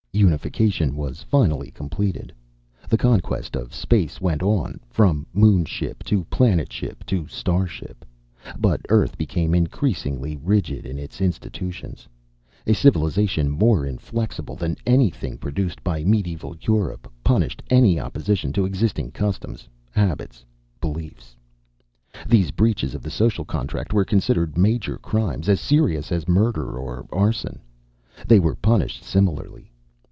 Unification was finally completed. The conquest of space went on, from moon ship to planet ship to star ship. But Earth became increasingly rigid in its institutions. A civilization more inflexible than anything produced by medieval Europe punished any opposition to existing customs, habits, beliefs. These breaches of the social contract were considered major crimes as serious as murder or arson. They were punished similarly.